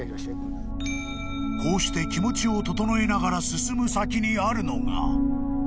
［こうして気持ちを整えながら進む先にあるのが］